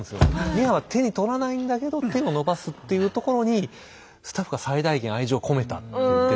ミアは手に取らないんだけど手を伸ばすっていうところにスタッフが最大限愛情を込めたって言ってて。